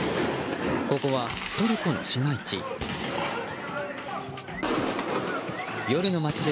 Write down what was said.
ここはトルコの市街地。